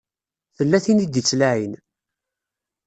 Tella tin i d-ittlaɛin.